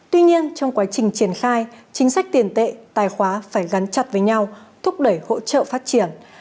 tuy nhiên trong quá trình triển khai chính sách tiền tệ tài khóa phải gắn chặt với nhau thúc đẩy hỗ trợ phát triển